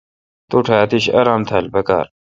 توٹھ اتش آرام تھال پکار۔